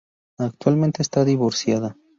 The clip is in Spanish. Actualmente está divorciada.